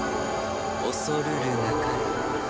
恐るるなかれ。